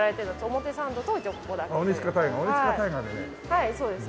はいそうです。